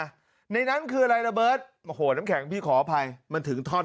ในนั้นคืออะไรระเบิดโอ้โหน้ำแข็งพี่ขออภัยมันถึงท่อน